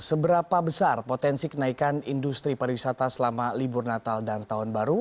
seberapa besar potensi kenaikan industri pariwisata selama libur natal dan tahun baru